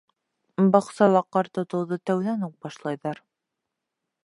Баҡсала ҡар тотоуҙы тәүҙән үк башлайҙар.